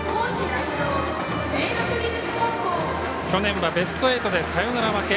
去年はベスト８でサヨナラ負け。